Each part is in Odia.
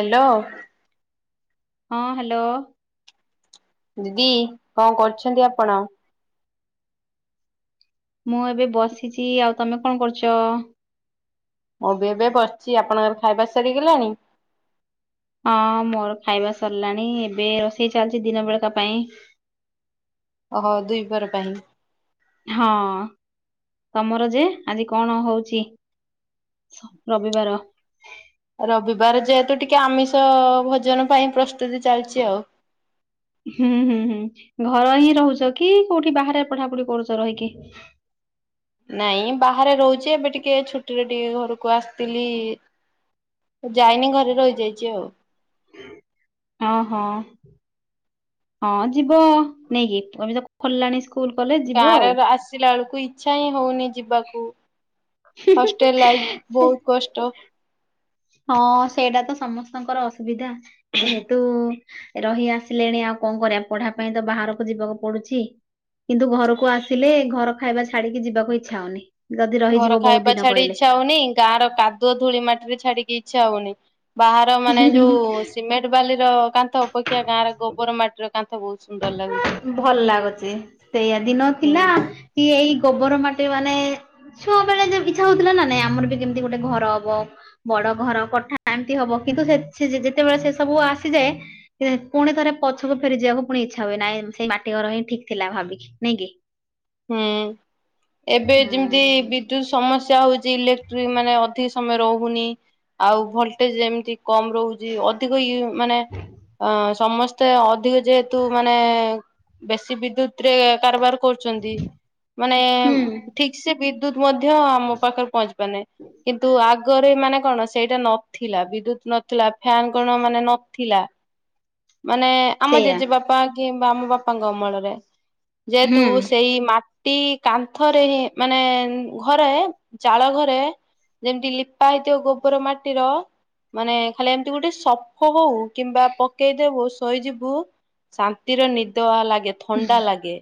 ହାଲୋ। ହଁ ହ୍ୟାଲୋ। ଦିଦି କଣ କରୁଛନ୍ତି ଆପଣ? ମୁଁ ଏବେ ବସିଚି ଆଉ ତମେ କଣ କରୁଚ? ମୁଁ ବି ଏବେ ବସଚି ଆପଣଙ୍କର ଖାଇବା ସରିଗଲାଣି? ହଁ ମୋର ଖାଇବା ସରଲାଣି ଏବେ ରୋଷେଇ ଚାଲଚି ଦିନ ବେଳକା ପାଇଁ। ଓହୋ ଦ୍ବିପହର ପାଇଁ। ହଁ ତମର ଯେ ଆଜି କଣ ହଉଚି? ରବିବାର। ରବିବାର ଯେହେତୁ ଟିକେ ଆମିଷ ଭୋଜନ ପାଇଁ ପ୍ରସ୍ତୁତି ଚାଲଚି ଆଉ। ହୁଁ ହୁଁ ହୁଁ ଘର ହିଁ ରହୁଚ କି କୋଉଠି ବାହାରେ ପଢାପଢି କରୁଚ ରହିକି? ନାଇଁ ବାହାରେ ରହୁଚି ଏବେ ଟିକେ ଛୁଟିରେ ଟିକେ ଘରୁକୁ ଆସଥିଲି। ଯାଇନି ଘରେ ରହିଯାଇଚି ଆଉ। ଅହୋ। ହଁ ଯିବ ନେଇକି ଏବେ ତ ଖୋଲିଲାଣି ସ୍କୁଲ କଲେଜ ଗାଁ ଯିବ ରେ ଆଉ। ର ଆସିଲା ବେଳକୁ ଇଚ୍ଛା ହିଁ ହଉନି ଯିବାକୁ। ହଷ୍ଟେଲ ଲାଇଫ୍ ସେ ବହୁତ କଷ୍ଟ। ହଁ ସେଇଟା ତ ସମସ୍ତଙ୍କର ଅସୁବିଧା ଯେହେତୁ ରହି ଆସିଲେଣି ଆଉ କଣ କରିଆ ପଢା ପାଇଁ ତ ବାହାରକୁ ଯିବାକୁ ପଡୁଛି। କିନ୍ତୁ ଘରକୁ ଆସିଲେ ଘର ଖାଇବା ଛାଡିକି ଯିବାକୁ ଇଚ୍ଛା ହଉନି। ଯଦି ଘର ରହିଯିବ ବହୁତ ଖାଇବା ଦିନ ଛାଡି ଇଚ୍ଛା ହଉନି। ଗାଁ ର କାଦୁଅ ଧୂଳି ମାଟି ବି ଛାଡିକି ଇଚ୍ଛା ହଉନି ବାହାର ମାନେ କହିଲେ ଯୋଉ ସିମେ ଣ୍ଟ ବାଲି ର କାନ୍ଥ ଅପେକ୍ଷା ଗାଁ ର ଗୋବର ମାଟିର କାନ୍ଥ ବହୁତ ସୁନ୍ଦର ଲାଗୁଛି। ଭଲ ଲାଗୁଚି ସେଇଆ ଦିନ ଥିଲା ହୁଁ କି ଏଇ ଗୋବର ମାଟି ମାନେ ଛୁଆ ବେଳେ ଯେମ୍ ଇଚ୍ଛା ହଉଥିଲା ନା ନାଇଁ ଆମର ବି କେମିତି ଗୋଟେ ଘର ହବ। ବଡ ଘର କୋଠା ଏମତି ହବ କିନ୍ତୁ ସେ ସେ ଯେ-ଯେତେବେଳେ ସେ ସବୁ ଆସିଯାଏ ଏ ପୁଣି ଥରେ ପଛକୁ ଫେରିଯିବାକୁ ପୁଣି ଇଚ୍ଛା ହୁଏ ନାଇଁ ସେଇ ମାଟି ଘର ହିଁ ଠିକ୍ ଥିଲା ଭାବିକି ନାଇଁ କି? ହୁଁ। ଏବେ ଯେମିତି ବିଦ୍ୟୁତ ସମସ୍ୟା ହଉଚି ଇଲେକ୍ଟ୍ରିକ୍ ମାନେ ଅଧିକ ସମୟ ରହୁନି। ଆଉ ଭୋଲଟେଜ୍ ଯେମିତି କମ ରହୁଚି ଅଧିକ ଇଉଁ ମାନେ ଅଁ ସମ ସ୍ତେ ଅଧିକ ଯେହେତୁ ମାନେ ବେଶୀ ବିଦ୍ୟୁତ ରେ କାରବାର କ ଚନ୍ତି ମାନେ ହୁଁ ଠିକସେ ବିଦ୍ୟୁତ ମଧ୍ୟ ଆମ ପାଖରେ ପହଞ୍ଚି ପାରୁନାଇଁ। କିନ୍ତୁ ଆଗରେ ମାନେ କଣ ସେଇଟା ନଥିଲା ବିଦ୍ୟୁତ ନଥିଲା ଫ୍ୟାନ କଣ ମାନେ ନଥିଲା। ମାନେ ଆମ ସେଇଆ ଜେଜେବାପା କିମ୍ବା ଆମ ବାପାଙ୍କ ଅମଳରେ ଯେହେତୁ ହୁଁ ସେଇ ମା ଟି କାନ୍ଥରେ ହିଁ ମାନେ ଉଁ ଘରେ ଚାଳ ଘରେ ଯେମିତି ଲିପା ହେଇଥିବ ଗୋବର ମାଟିର ମାନେ ଖାଲି ଏମିତି ଗୋଟେ ସପ ହଉ କିମ୍ବା ପକେଇଦେବୁ ଶୋଇଯିବୁ। ଶାନ୍ତିରେ ନିଦ ଆ ଲାଗେ ଥଣ୍ଡା ଲାଗେ।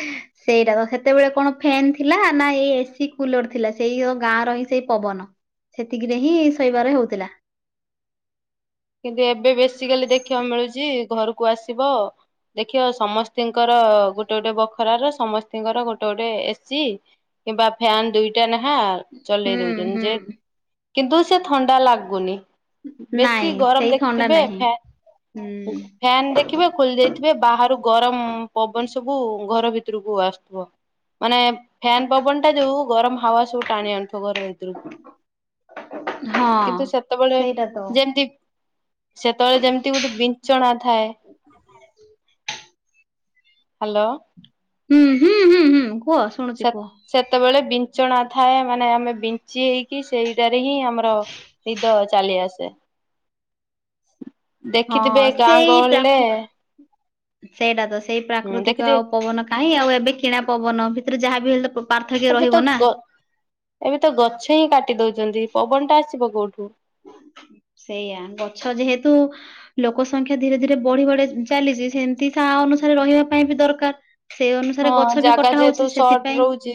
[inaudible] ସେଇଟା ତ ସେତେବେଳେ କଣ ଫ୍ୟନ୍ ଥିଲା ନା ଏଇ ଏସିି କୁଲର ଥିଲା ସେଇ ଗାଁର ହିଁ ସେଇ ପବନ। ସେତିକିରେ ହିଁ ଶୋଇବାର ହଉଥିଲା। କିନ୍ତୁ ଏବେ ବେଶୀ କାଲି ଦେଖିବାକୁ ମିଳୁଛି ଘରକୁ ଆସିବ ଦେଖିବ ସମସ୍ତିଙ୍କର ଗୋଟେ ଗୋଟେ ବଖରାର ସମସ୍ତଙ୍କର ଗୋଟେ ଗୋଟେ ଏସି। କିମ୍ବା ଫ୍ୟନ୍ ଦୁଇଟା ନେଖା ଚଲେଇ ହୁଁ ଦଉଛନ୍ତି ଯେ ହୁଁ କିନ୍ତୁ ସେ ଥଣ୍ଡା ଲାଗୁନି ବେଶୀ ଏତେ ନାଇଁ ଗରମ ସେଇ ଥଣ୍ଡା ଦେଖିଥିବେ ନାହିଁ ଫ୍ୟାନ ହୁଁ ଫ୍ୟାନ ଦେଖିବେ ଖୋଲି ଯାଇଥିବେ ବାହାରୁ ଗରମ ପବନ ସବୁ ଘର ଭିତରକୁ ଆସୁଥିବ। ମାନେ ଫ୍ୟାନ ପବନଟା ଯୋଉ ଗରମ ହାୱା ସବୁ ଟାଣି ଆଣୁଥିବ ଘର ଭି ହଁ। କିନ୍ତୁ ସେତେବେଳେ ସେଇଟା ତ ଯେମତି ସେତେବେଳେ ଯେମିତି ଗୋଟେ ବିଛଣା ଥାଏ। ହ୍ୟାଲୋ। ହୁଁ ହୁଁ ହୁଁ ହୁଁ କୁହ। ଶୁଣୁଛି ସେ କୁହ। ସେତେବେଳେ ବିଛଣା ଥାଏ ମାନେ ଆମେ ବିଞ୍ଚି ହେଇକି କି ସେଇଟାରେ ହିଁ ଆମର ନିଦ ଚାଲି ଆସେ। ହଁ ଦେଖିଥିବେ ଗାଁ ସେଇ ଗହଳିରେ ପ୍ରାକୁ ସେଇଟା ତ ସେଇ ହୁଁ ପ୍ରାକୃତିକ ଦେଖିଥିବେ ଆଉ ପବନ କାହିଁ ଆଉ ଏବେ କିଣା ପବନ ଭିତରେ ଯାହାବି ହେଲେ ତ ପାର୍ଥକ୍ୟ ଏବେ ରହିବ ତ ନା ଗ ଏବେ ତ ଗଛ ହିଁ କାଟି ଦଉଛନ୍ତି। ପବନଟା ଆସିବ କୋଉଠୁ? ସେଇଆା ଗଛ ଯେହେତୁ ଲୋକ ସଂଖ୍ୟା ଧୀରେ ଧୀରେ ବଢି ବଢି ଚାଲିଛି ସେମିତି ତା ଅନୁସାରେ ରହିବା ପାଇଁ ବି ଦରକାର। ସେଇ ହଁ ଅନୁସାରେ ଗଛ ବି ଜାଗା କଟା ହଉଛି ଯେହେତୁ ସର୍ଟ ସେଥିପାଇଁ ରହୁଛି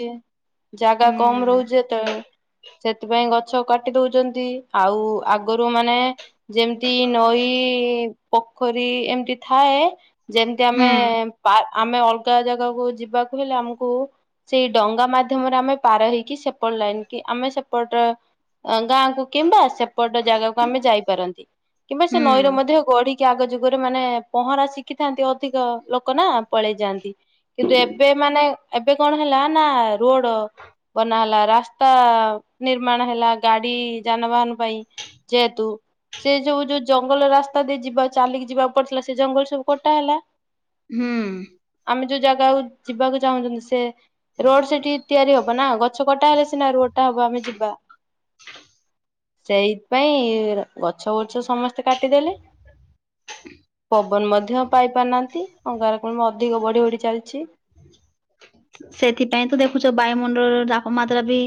ଜାଗା କମ ହୁଁ ରହୁଛି ଯେତେବେଳେ ସେଥିପାଇଁ ଗଛ କାଟି ଦଉଛନ୍ତି ଆଉ ଆଗରୁ ମାନେ ଯେମିତି ନଈ ପୋଖରୀ ଏମତି ଥାଏ ଯେମତି ହୁଁ ଆମେ ବା ଆମେ ଅଲଗା ଜାଗାକୁ ଯିବାକୁ ହେଲେ ଆମକୁ ସେଇ ଡଙ୍ଗା ମାଧ୍ୟମରେ ଆମେ ପାର ହେଇକି ସେପଟ ଲାଇନ କି ଆମେ ସେପଟେ ଗାଁକୁ କିମ୍ବା ସେପଟ ଜାଗାକୁ ଆମେ ଯାଇପାରନ୍ତି କିମ୍ବା ସେ ହୁଁ ନଈର ମଧ୍ୟ ଗଡି କି ଆଗ ଯୁଗରେ ମାନେ ପହଁରା ଶିଖିଥାନ୍ତି ଅଧିକ ଲୋକ ନା ପଳେଇ ଯାଆନ୍ତି। କିନ୍ତୁ ଏବେ ମାନେ ଏବେ କଣ ହେଲା ନା ରୋଡ ବନା ହେଲା ରାସ୍ତା ନିର୍ମାଣ ହେଲା ଗାଡି ଯାନବାହାନ ପାଇଁ ଯେହେତୁ ସେ ଯୋଉ ଯୋଉ ଜଙ୍ଗଲ ରାସ୍ତା ଦେଇ ଯିବା ଚାଲିକି ଯିବାକୁ ପଡିଥିଲା ସେ ଜଙ୍ଗଲ ସବୁ କଟା ହେଲା। ହୁଁ। ଆମେ ଯୋଉ ଜାଗାକୁ ଯିବାକୁ ଚାହୁଁଛନ୍ତି ସ ରୋଡ ସେଠି ତିଆରି ହବ ନା ଗଛ କଟା ହେଲେ ସିନା ରୋଡ ଟା ହବ ଆମେ ଯିବା। [inaudible] ସେଇଥି ପାଇଁ ଗଛ ବୁଛ ସମସ୍ତେ କାଟିଦେଲେ। ଜୀବନ ମଧ୍ୟ ପାଇ ପାରୁନାହାନ୍ତି ଅଙ୍ଗାରକାମ୍ଳ ଅଧିକ ବଢି ବଢି ଚାଲିଛି। ସେଥିପାଇଁ ତ ଦେଖୁଛ ବାୟୁମଣ୍ଡଳର ତାପମାତ୍ରା ବି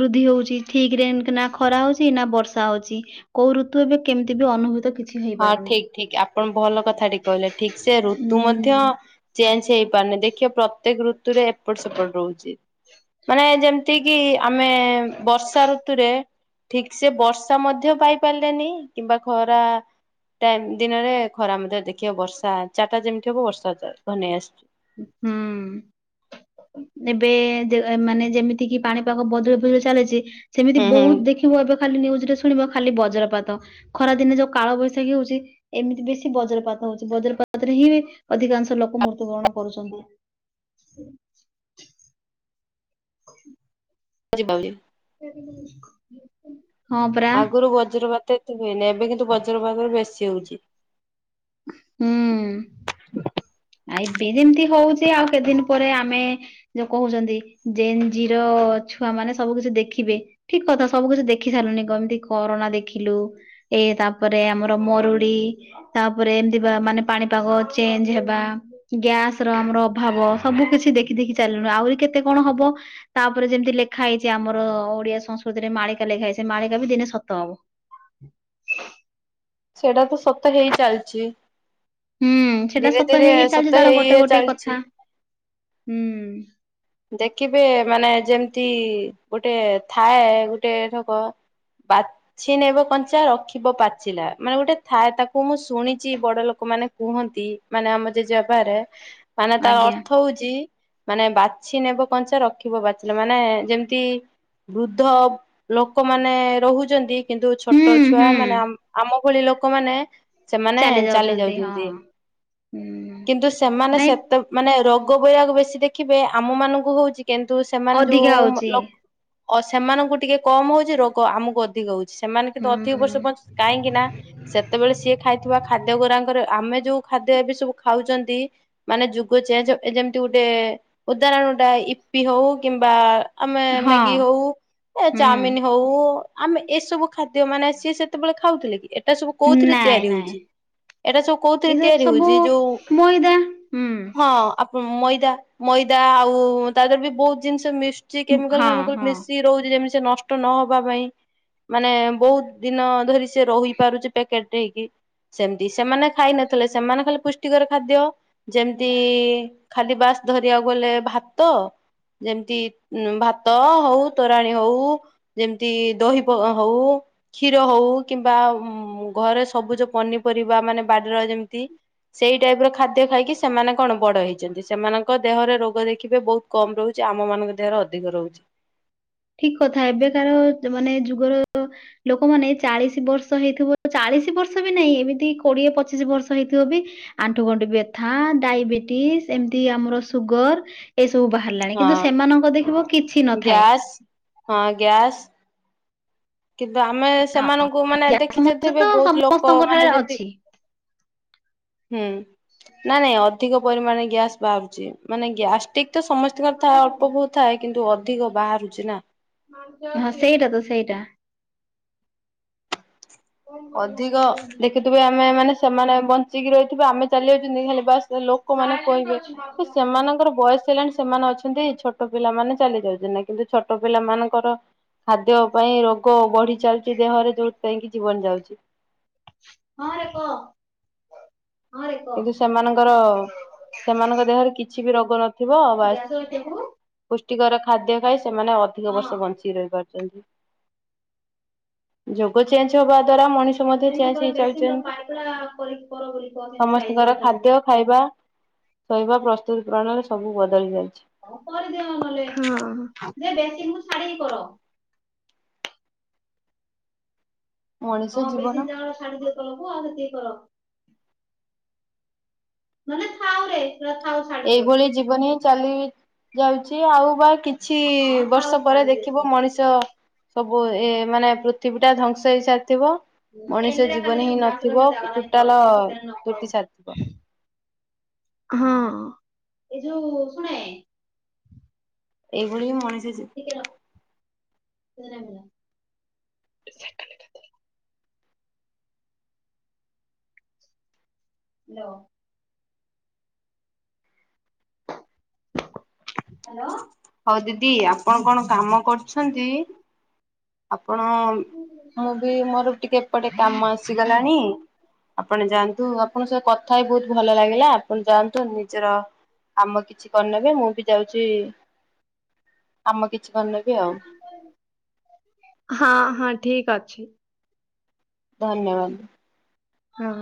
ବୃଦ୍ଧି ହଉଛି ଠିକ ରେ ନା ଖରା ହଉଛି ନା ବର୍ଷା ହଉଛି। କୋଉ ଋତୁ ଏବେ କେମିତି ବି ଅନୁଭୂତ କିଛି ହଁ ହେଇପାରୁନି। ଠିକ ଠିକ ଆପଣ ଭଲ କଥାଟେ କହିଲେ ଠିକ ସେ ଋତୁ ମଧ୍ୟ ହୁଁ। ଚେଞ୍ଜ ହେଇପାରୁନି ଦେଖିବେ ପ୍ରତ୍ୟେକ ଋତୁରେ ଏପଟ ସେପଟ ରହୁଛି ମାନେ ଯେମତି ଯେତିକି ଆମେ ବର୍ଷା ଋତୁରେ ଠିକ ସେ ବର୍ଷା ମଧ୍ୟ ପାଇ ପାରିଲେନି କିମ୍ବା ଖରା ଟାଇମ୍ ଦିନରେ ଖରା ମଧ୍ୟ ଦେଖିବ ବର୍ଷା ଚାରିଟା ଯେମିତି ହବ ବର୍ଷା ଘନେଇ ଆସିଛି। ହୁଁ। ଏବେ ଯେ ମାନେ ଯେମିତି କିି ପାଣିପାଗ ବଦଳି ବଦଳି ଚାଲିଛି। ସେମିତି ହୁଁ ହୁଁ ବହୁତ ଦେଖିବୁ ଏବେ ଖାଲି ନିଉଜରେ ଶୁଣିବ ଖାଲି ବଜ୍ରପାତ। ଖରା ଦିନେ ଯୋଉ କାଳବୈଶାଖୀ ହଉଛି। ଏମିତି ବେଶୀ ବଜ୍ରପାତ ହଉଛି ବଜ୍ରପାତରେ ହିଁ ଅଧିକାଂଶ ଲୋକ ମୃତ୍ୟୁବରଣ କରୁଛନ୍ତି। ହଜି ବାଉଳି। [unintelligible] ହଁ ପରା ଆଗୁରୁ ବଜ୍ରପାତ ଏତେ ହୁଏନି ଏବେ କିନ୍ତୁ ବଜ୍ରପାତ ବେଶୀ ହଉଛି। ହୁଁ। ଆବେ ଯେମିତି ହଉଛି ଆଉ କେତଦିନ ପରେ ଆମେ ଯଉ କହୁଛନ୍ତି ଜେଞ୍ଜିର ଛୁଆ ମାନେ ସବୁ କିଛି ଦେଖିବେ। ଠିକ କଥା ସବୁ କିଛି ଦେଖି ସାରିଲୁନି କେମିତି କରୁଣା ଦେଖିଲୁ। ଏ ତାପରେ ଆମର ମରୁଡି ତାପରେ ଏମିତି ବା ମାନେ ପାଣିପାଗ ଚେଞ୍ଜ ହେ ବା ଗ୍ୟାସ ର ଆମର ଅଭାବ ସବୁ କିଛି ଦେଖି ଦେଖି ଚାଲୁଣି ଆହୁରି କେତେ କଣ ହବ। ତାପରେ ଯେମିତି ଲେଖା ହେଇଛି ଆମର ଓଡିଆ ସଂସ୍କୃତିରେ ମାଳିକା ଲେଖା ହେଇଛି ମାଳିକା ବି ଦିନେ ସତ ହବ। ସେଇଟା ତ ସତ ହେଇ ଚାଲିଛି। ହୁଁ ସେଟା ଧୀରେ ସତ ଧୀରେ ହେଇ ହେଇ ସତ ଚାଲିଛି ତାର ଗୋଟେ ହେଇ ଗୋଟେ ଚାଲିଛି। କଥା ହୁଁ। ଦେଖିବେ ମାନେ ଯେମିତି ଗୋଟେ ଥାଏ ଗୋଟେ ଠକ ବା ଛିନେଇବ କଞ୍ଚା ରଖିବ ପାଚିଲା ମାନେ ଗୋଟେ ଥାଏ ତାକୁ ମୁଁ ଶୁଣିଛି ବଡ ଲୋକ ମାନେ କୁହନ୍ତି ମାନେ ଆମ ଜେଜେ ବାପାରେ ମାନେ ତାର ଆଜ୍ଞା ଅର୍ଥ ହଉଛି ମାନେ ବା ଛି ନେବ କଞ୍ଚା ରଖିବ ପାଚିଲା ମାନେ ଯେମତି ବୃଦ୍ଧ ଲୋକମାନେ ରହୁଛନ୍ତି। କିନ୍ତୁ ହୁଁ ଛୋଟ ଛୁଆ ମାନେ ହୁଁ ଆମ ଭଳି ଲୋକମାନେ ସେମାନେ ଚାଲି ଯାଉଛନ୍ତି ହୁଁ କିନ୍ତୁ ସେମାନେ ନାଇଁ ସେତେ ମାନେ ରୋଗ ବୈରାଗ ବେଶୀ ଦେଖିବେ ଆମ ମାନଙ୍କୁ ହଉଛି କିନ୍ତୁ ସେମାନେ ଅଧିକା ଯୋଉ ହଉଛି ଲୋ ଅ ସେମାନଙ୍କୁ ଟିକେ କମ ହଉଛି ରୋଗ ଆମକୁ ଅଧିକ ହଉଛି ସେମାନେ କିନ୍ତୁ ହୁଁ ଅଧିକ ବର୍ଷ ବଞ୍ଚ କଇଁକିି ନା ସେତେବେଳେ ସିଏ ଖାଇଥିବା ଖାଦ୍ୟ ଗୁ ରାଙ୍କରେ ଆମେ ଯୋଉ ଖାଦ୍ୟ ଏବେ ସବୁ ଖାଉଛନ୍ତି ମାନେ ଯୁଗ ଚେଞ୍ଚ ଯେମତି ଗୋଟେ ଉଦାହରଣଟା ଇପି ହଉ କିମ୍ବା ଆମେ ହଁ ମ୍ୟାଗି ହଉ ହୁଁ ଚାଉମିନ ହ ହଉ ଆମେ ଏସବୁ ଖାଦ୍ୟ ମାନେ ସିଏ ସେତେବେଳେ ଖାଉଥିଲେ କି ଏ ଏଟା ସବୁ କୋଉଥିରେ ନାଇଁ ତିଆରି ନାଇଁ ହଉଛି? ଏଇଟା ସବୁ କୋଉଥିରେ ଏ ଯୋଉ ତିଆରି ସବୁ ହଉଛି ଯୋଉ ମଇଦା ହୁଁ ହଁ। ମଇଦା ମଇଦା ଆଉ ତା ଦେହରେ ବି ବହୁତ ଜିନିଷ ମିଶୁଛି କେମିକାଲ ହଁ ଫେମିକାଲ ହଁ ମିଶି ରହୁଛି ଯେମିତି ସେ ନଷ୍ଟ ନହବା ପାଇଁ ମାନେ ବହୁତ ଦିନ ଧରି ସେ ରହିପାରୁଛି ପ୍ୟାକେଟ ଦେଇକି ସେମତି ସେମାନେ ଖାଇ ନଥିଲେ ସେମାନେ ଖାଲି ପୁଷ୍ଟିକର ଖାଦ୍ୟ ଯେମିତି ଖାଲି ବାସ ଧରିବାକୁ ଗଲେ ଭାତ ଯେମିତି ଭାତ ହଉ ତୋରାଣୀ ହଉ ଯେମତି ଦହି ପ ହଉ। କ୍ଷୀର ହଉ କିମ୍ବା ଘରେ ସବୁଜ ପନିପରିବା ମାନେ ବାଡିର ଯେମିତି ସେଇ ଟାଇପ ର ଖାଦ୍ୟ ଖାଇକି ସେମାନେ କଣ ବଡ ହେଇଛନ୍ତି, ସେମାନ ଙ୍କ ଦେହରେ ରୋଗ ଦେଖିବେ ବହୁତ କମ ରହୁଚି, ଆମ ମାନଙ୍କ ଦେହରେ ଅଧିକ ରହୁଚି। ଠିକ କଥା ଏବେକାର ମାନେ ଯୁଗର ଲୋକମାନେ ଚାଳିଶି ବର୍ଷ ହେଇଥିବ। ଚାଳିଶି ବର୍ଷ ବି ନାଇଁ ଏମିତି କୋଡିଏ ପଚିଶି ବର୍ଷ ହେଇଥିବ ବି ଆଣ୍ଠୁ ଗଣ୍ଠି ବ୍ୟଥା, ଡାଇବେଟିସ ଏମିତି ଆମର ସୁଗର ଏସବୁ ବାହାରିଲାଣି, କିନ୍ତୁ ହଁ ସେମାନଙ୍କର ଦେଖିବ କିଛି ନଥାଏ। ଗ୍ୟାସ୍ ହଁ ଗ୍ୟାସ୍ କିନ୍ତୁ ଆମେ ହଁ ସେମାନଙ୍କୁ ମାନେ ଗ୍ୟାସ ସମସ୍ୟା ଦେଖିସାରିଥିବେ ତ ବହୁତ ଲୋକ ସମସ୍ତଙ୍କ ଠାରେ ମାନେ ଯେମିତି ଅଛି ହୁଁ। ନାଇଁ ନାଇଁ ଅଧିକ ପରିମାଣରେ ଗ୍ୟାସ ବାହାରୁଚି ମାନେ ଗ୍ୟାସ୍ଟିକ ତ ସମସ୍ ଥାଏ। ଅଳ୍ପ ବହୁତ ଥାଏ, କିନ୍ତୁ ଅଧିକ ବାହାରୁଚି ନା ହଁ ସେଇଟା ତ ସେଇଟା। ଅଧିକ ଦେଖିଥିବେ ଆମେ ମାନେ ସେମାନେ ବଞ୍ଚିକି ରହୁଥିବେ ଆମେ ଚାଲି ଯାଉଛନ୍ତି, ହେଲେ ବାସ ଲୋ କମାନେ କହିବେ, ତ ସେମାନଙ୍କର ବୟସ ହେଲାଣି ସେମାନେ ଅଛ ଛନ୍ତି ଛୋଟ ପିଲାମାନେ ଚାଲି ଯାଉଛନ୍ତି, କିନ୍ତୁ ଛୋଟ ପିଲା ମାନଙ୍କର ଖାଦ୍ୟ ପାଇଁ ରୋଗ ବଢି ଚାଲଚି ଦେହରେ ଯୋଉଠି ପାଇଁ କି ଜୀବନ ଯାଉଚି। ହଁରେ କହ। କିନ୍ତୁ ସେମାନଙ୍କର, ସେମାନଙ୍କ ଦେହରେ କିଛି ବି ରୋଗ ନଥିବ ବାସ ଗ୍ୟାସ ପୁଷ୍ଟିକର ଖାଦ୍ୟ ଖାଇ ସେମାନେ ଅଧିକ ବର୍ଷ ବଞ୍ଚି ରହିପାରୁଛନ୍ତି। ଯୋଗ ଚେଞ୍ଜ ହବା ଦ୍ଵାରା ମଣିଷ ମଧ୍ୟ ସେମିତି ଚେଞ୍ଜ କର ହେଇ ଯାଉଚି ବେସିନ ଏମିତି। [unintelligible] ସାଇଜ ସମସ୍ତିଙ୍କର ଦେଖାଯିବ। ଖାଦ୍ୟ ଖାଇବା, ଶୋଇବା, ପ୍ରସ୍ତୁତି ପ୍ରଣାଳି ସବୁ ବଦଳି ଯାଇଛି। ହଁ। ମଣିଷ ହଁ ଜୀବନ ବେଶୀ ଦିନ [unintelligible] ଛାଡିଦିଏ କରବୁ ଆଉ ସେତିକି କର। ନହେଲେ ଥାଉରେ। ପୁରା ଥାଉ, ସା ଏଇଭଳି ଜୀବନ ହିଁ ଚାଲି ଯାଉଚି ଆଉ ବା କି କିଛି ହଁ ଥାଉ ବର୍ଷ ପରେ ଛାଡି ଦିଅ ଦେଖିବ ସେଟା। ମଣିଷ ଟା ସବୁ ଏ ମାନେ ପୃଥିବୀଟା ଧ୍ଵଂସ ହେଇ ସାରିଥିବ। ମଣିଷ ପେଣ୍ଡିଟା ଖାଲି ଜୀବନ ସେ ହିଁ ଗ୍ୟାସ ରଖିବା ନଥିବ ଜାଗା ନାହିଁ ତଳେ ଟୁଟାଲ ତ ସେଥିପାଇଁ ନ କରୁ। ତୁଟି ସାରିଥିବ। ହଁ ଏ ଯୋଉ ଶୁଣେ ଏଇଭଳି ମଣିଷ ଜୀ [unintelligible] ହାଲୋ। ହାଲୋ। ହଉ ଦିଦି ଆପଣ କଣ କାମ କରୁଛନ୍ତି? ଆପଣ, ମୁଁ ବି ମୋର ଟିକେ ଏପଟେ କାମ ଆସିଗଲାଣି ଆପଣ ଯାଆନ୍ତୁ, ଆପଣଙ୍କ ସହ କଥା ହୋଇ ବହୁତ ଭଲ ଲାଗିଲା, ଆପଣ ଯାଆନ୍ତୁ ନିଜର କାମ କିଛି କରିନେବେ, ମୁଁ ବି ଯାଉଛି କାମ କିଛି କରିନେବି ଆଉ। ହଁ ହଁ ଠିକ ଅଛି। ଧନ୍ୟବାଦ। ହଁ।